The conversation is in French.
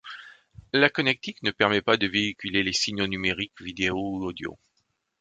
La connectique ne permet pas de véhiculer les signaux numériques vidéo ou audio.